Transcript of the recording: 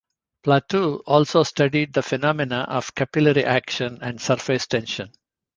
Plateau also studied the phenomena of capillary action and surface tension.